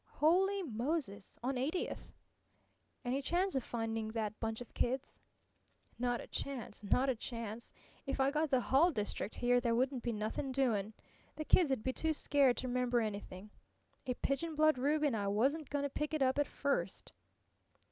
"Holy Moses! On Eightieth." "Any chance of finding that bunch of kids?" "Not a chance, not a chance! If I got the hull district here there wouldn't be nothin' doin'. The kids'd be too scared t' remember anything. A pigeon blood ruby, an' I wasn't gonna pick it up at first!"